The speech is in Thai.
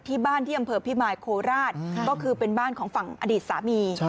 ที่บ้านที่อำเภอพิมายโคราชก็คือเป็นบ้านของฝั่งอดีตสามี